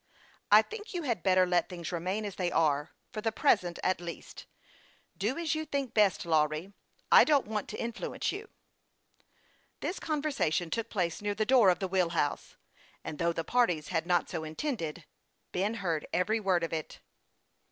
"I think you had better let things remain as they are, for the present, at least. Do as you think best, Lawry. I don't want to influence you." This conversation took place near the door of the wheel house, and though the parties had not so intended, Ben heard every Avord of it.